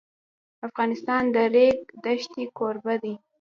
افغانستان د د ریګ دښتې کوربه دی.